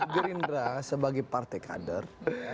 gerindra sebagai partai kader